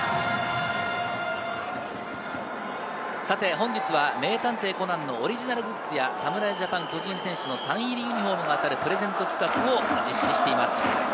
本日は『名探偵コナン』のオリジナルグッズや、侍ジャパン、巨人選手のサイン入りユニホームが当たるプレゼント企画を実施しています。